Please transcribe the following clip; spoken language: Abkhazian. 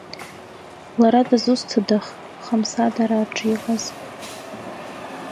Лара дызусҭадах, Хамсадараа рҿы иҟаз.